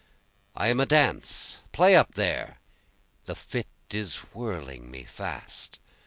I am a dance play up there! the fit is whirling me fast!